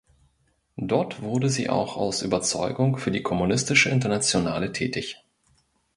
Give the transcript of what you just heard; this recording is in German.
Dort wurde sie auch aus Überzeugung für die Kommunistische Internationale tätig.